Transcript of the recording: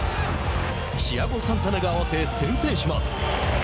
チアゴ・サンタナが合わせ先制します。